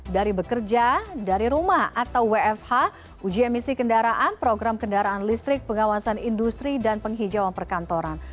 dari bekerja dari rumah atau wfh uji emisi kendaraan program kendaraan listrik pengawasan industri dan penghijauan perkantoran